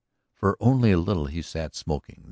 For only a little he sat smoking.